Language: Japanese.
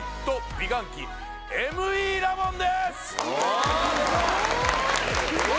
美顔器ＭＥラボンです